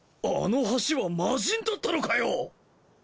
あの橋はマジンだったのかよ！